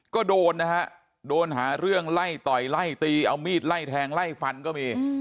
ก็โดนนะฮะโดนหาเรื่องไล่ต่อยไล่ตีเอามีดไล่แทงไล่ฟันก็มี